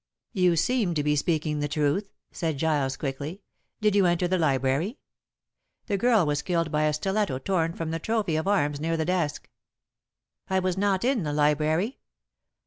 "You seem to be speaking the truth," said Giles quickly. "Did you enter the library? The girl was killed by a stiletto torn from the trophy of arms near the desk." "I was not in the library.